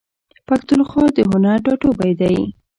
پښتونخوا د هنر ټاټوبی دی.